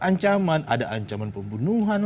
ancaman ada ancaman pembunuhan